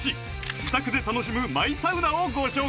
自宅で楽しむマイサウナをご紹介！